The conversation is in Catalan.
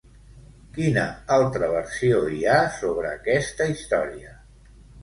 Quina altra versió hi ha sobre aquesta història?